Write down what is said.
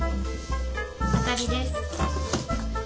当たりです。